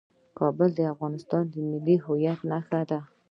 کابل د افغانستان د ملي هویت نښه ده.